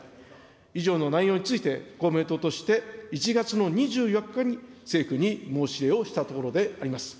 以上の内容について、公明党として１月の２４日に政府に申し入れをしたところであります。